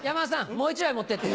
もう１枚持ってって。